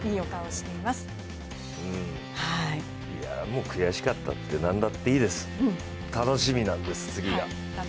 もう悔しかったってなんだっていいです、楽しみなんです、次が。